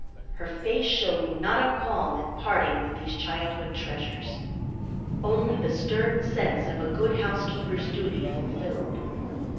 Her face showed not a qualm at parting with these childhood treasures; only the stern sense of a good housekeeper's duty fulfilled.